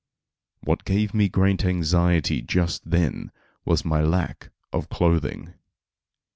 What gave me great anxiety just then was my lack of clothing.